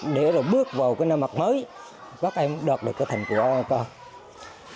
để rồi bước vào cái năm học mới các em đạt được cái thành quả của họ